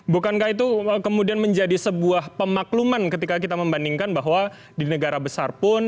bukankah itu kemudian menjadi sebuah pemakluman ketika kita membandingkan bahwa di negara besar pun